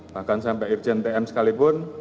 bahkan sampai irjen tm sekalipun